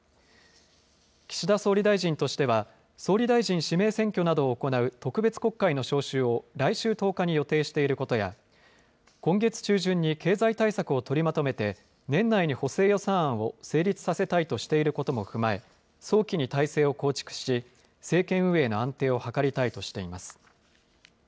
岸田総理大臣としては、総理大臣指名選挙などを行う特別国会の召集を来週１０日に予定していることや、今月中旬に経済対策を取りまとめて、年内に補正予算案を成立させたいとしていることも踏まえ、早期に体制を構築し、政権運営の安定を図りたいとしています。